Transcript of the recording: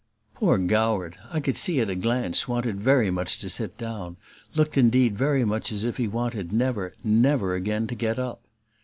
Poor Goward, I could see at a glance, wanted very much to sit down looked indeed very much as if he wanted never, NEVER again to get up.